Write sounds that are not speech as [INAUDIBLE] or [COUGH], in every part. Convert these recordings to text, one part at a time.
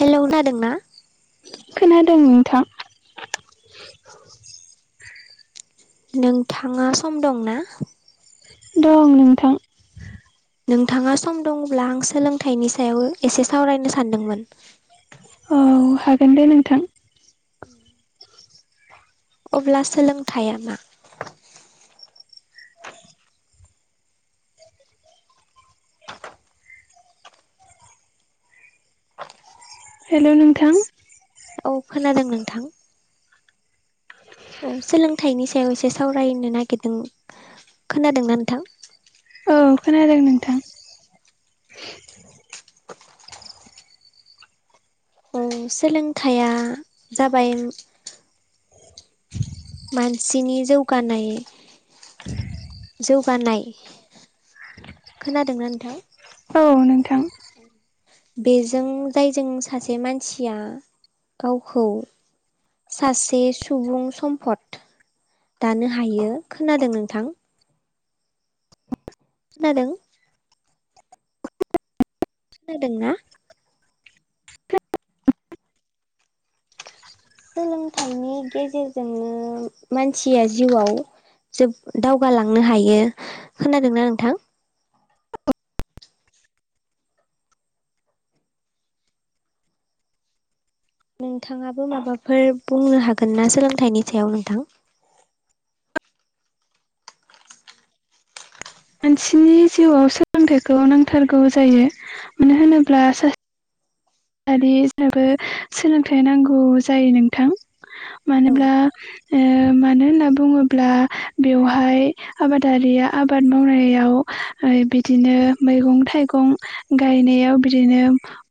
hello खोनादोंना खोनादों नोंथां नोंथाङा सम दंना दं नोंथां नोंथाङा सम दङब्ला आं सोलोंथाइनि सायाव एसे सावरायनो सानदोंमोन औ हागोन दे नोंथां उम अब्ला सोलोंथायाइया मा हेल' नोंथां औ खोनादों नोंथां औ सोलोंथाइनि सायाव एसे सावरायनो नागिरदों खोनादोंना नोंथां औ खोनादों नोंथां औ सोलोंथाइया जाबाय [UNINTELLIGIBLE] मानसिनि जौगानाय जौगानाय खोनादोंना नोंथां औ न औ बेजों जायजों सासे मानसिया गावखौ सासे सुबुं सम्फद दानो हायो खोनादों नोंथां खोनादों खोनादोंना सोलोंथाइनि गेजेरजोंनो मानसिया जिउआव जोब दावगालांनो हायो खोनादोंना नोंथां नोंथाङाबो माबाफोर बुंनो हागोन ना सोलोंथाइनि सायाव नोंथां मानसिनि जिउआव सोलोंथाइखौ नांथारगौ जायो मानो होनोब्ला सासे [UNINTELLIGIBLE] सोलोंथाइ नांगौ जायो नोंथां औ मानोब्ला ओ मानो होनना बुङोब्ला बेवहाय आबादारिया आबाद मावनायाव ओ बिदिनो मैगं थाइगं गायनायाव बिदिनो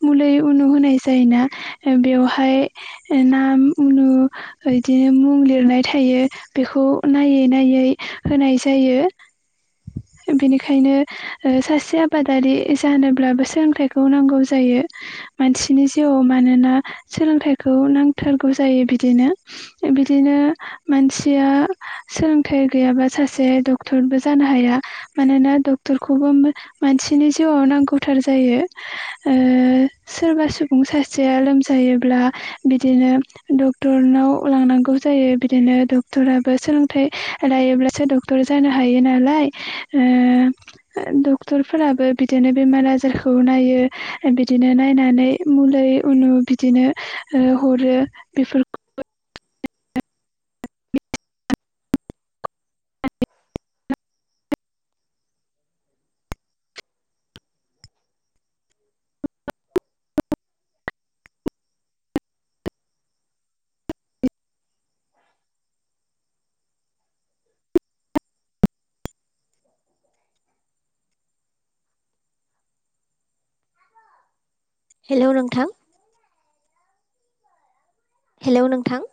मुलै उनु होनाय जायोना बेवहाय नाम उनु बिदिनो मुं लिरनाय थायो बेखौ नायै नायै होनाय जायो बिनिखायनो ओ सासे आबादारि जानोब्लाबो सोलोंथाइखौ नांगौ जायो [UNINTELLIGIBLE] मानसिनि जिउआव मानोना सोलोंथाइखौ नांथारगौ जायो बिदिनो बिदिनो मानसिया सोलोंथाइ गैयाबा सासे डक्टरबो जानो हाया मानो ना डक्टरखौबो मो मानसिनि जिउआव नांगौथार जायो ओ सोरबा सुबुं सासेया लोमजायोब्ला बिदिनो डक्टरनाव लांनांगौ जायो बिदिनो डक्टराबो सोलोंथाइ लायोब्लासो डक्टर जानो हायो नालाय ओ डक्टरफोराबो बिदिनो बेमार आजारखौ नायो बिदिनो नाय बायनानै मुलि उनु बिदिनो ओ हरो बेफोरखौ हेलौ नोंथां हेलौ नोंथां